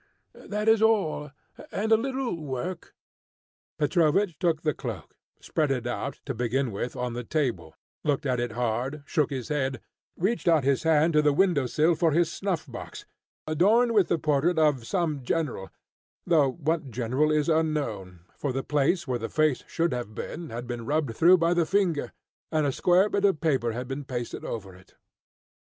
That is all. And a little work " Petrovich took the cloak, spread it out, to begin with, on the table, looked at it hard, shook his head, reached out his hand to the window sill for his snuff box, adorned with the portrait of some general, though what general is unknown, for the place where the face should have been had been rubbed through by the finger and a square bit of paper had been pasted over it.